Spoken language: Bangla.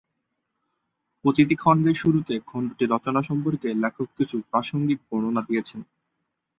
প্রতি খণ্ডের শুরুতে খণ্ডটি রচনা সম্পর্কে লেখক কিছু প্রাসঙ্গিক বর্ণনা দিয়েছেন।